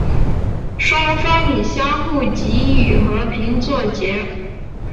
双方以相互给予和平作结。